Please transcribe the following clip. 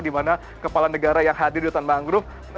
di mana kepala negara yang hadir di hutan mangrove